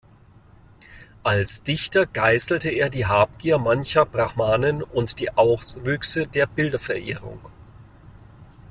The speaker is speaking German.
Als Dichter geißelte er die Habgier mancher Brahmanen und die Auswüchse der Bilderverehrung.